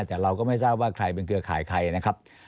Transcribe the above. แต่เราก็ไม่ทราบว่าใครเป็นเครือข่ายใครนะครับ